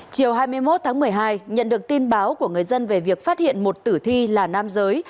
chiều hai mươi một tháng một mươi hai nhận được tin báo của người dân về việc phát hiện một tử thi là nam giới